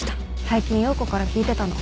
最近葉子から聞いてたの。